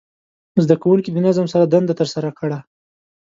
زده کوونکي د نظم سره دنده ترسره کړه.